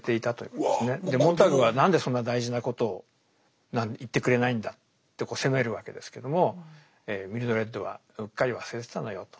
モンターグは何でそんな大事なことを言ってくれないんだって責めるわけですけどもミルドレッドはうっかり忘れてたのよと。